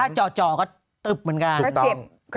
แต่ว่าถ้าจ่อก็ตึบเหมือนกัน